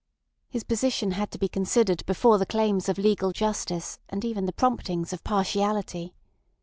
His position had to be considered before the claims of legal justice and even the promptings of partiality.